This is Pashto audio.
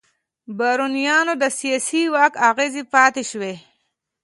بارونیانو د سیاسي واک اغېزې پاتې شوې.